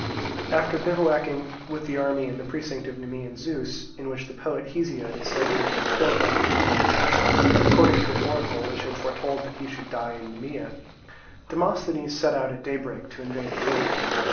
After bivouacking with the army in the precinct of Nemean Zeus, in which the poet Hesiod is said to have been killed by the people of the country, according to an oracle which had foretold that he should die in Nemea, Demosthenes set out at daybreak to invade Aetolia.